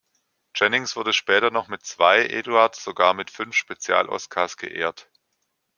Jennings wurde später noch mit zwei, Edouard sogar mit fünf Spezial-Oscars geehrt.